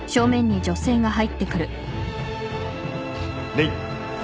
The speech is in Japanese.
礼。